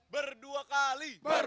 ber dua kali ber